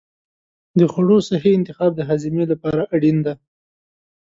د خوړو صحي انتخاب د هاضمې لپاره اړین دی.